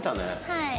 はい。